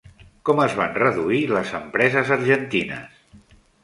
Com es van reduir les empreses argentines?